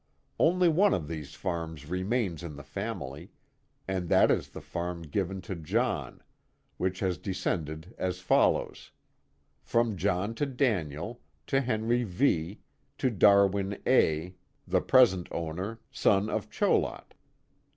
Only one of these farms remains in the family, and that ts the farm given to John, which has descended as follows: From John to Daniel, to Henry V., to Darwin A., the present owner, son of Cholot.